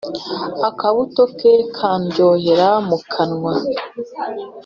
akabuto ke kandyohera mu kanwa.